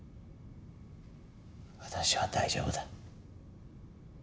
私は大丈夫だ。